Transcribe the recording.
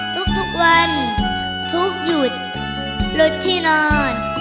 ทุกทุกวันทุกหยุดหลุดที่นอน